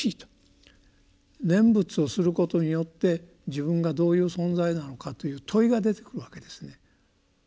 念仏をすることによって自分がどういう存在なのかという問いが出てくるわけですね。